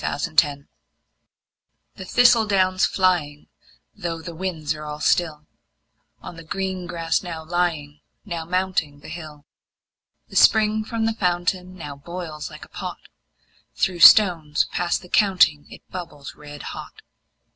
Autumn The thistle down's flying, though the winds are all still, On the green grass now lying, now mounting the hill, The spring from the fountain now boils like a pot; Through stones past the counting it bubbles red hot.